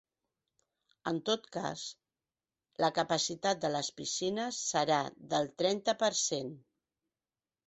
En tot cas, la capacitat de les piscines serà del trenta per cent.